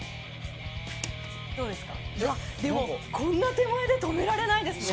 こんなに手前で止められないですね。